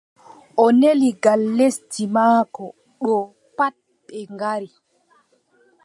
O neli ngal lesdi maako ɗo pat ɓe ngara.